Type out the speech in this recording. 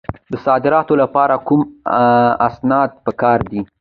د صادراتو لپاره کوم اسناد پکار دي؟